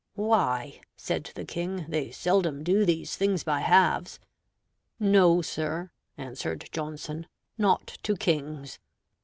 "Why" (said the King), "they seldom do these things by halves." "No, sir" (answered Johnson), "not to kings."